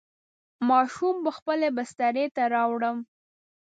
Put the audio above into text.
ماشوم به خپلې بسترې ته راوړم.